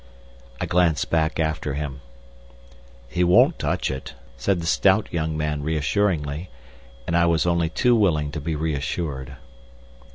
I glanced back after him. "He won't touch it," said the stout young man reassuringly, and I was only too willing to be reassured.